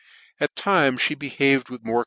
At times (he behave^ with more c.'